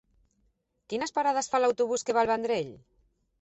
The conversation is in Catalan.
Quines parades fa l'autobús que va al Vendrell?